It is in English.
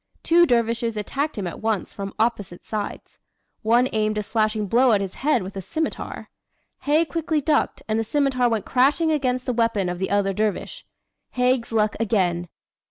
Two dervishes attacked him at once from opposite sides. One aimed a slashing blow at his head with a scimitar. Haig quickly ducked and the scimitar went crashing against the weapon of the other dervish. Haig's luck again!